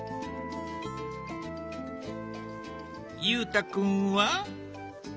裕太君は？